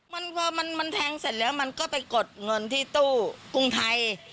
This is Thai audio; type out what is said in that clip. มันพอมันแทงเสร็จแล้วมันก็ไปกดเงินที่ตู้กรุงไทย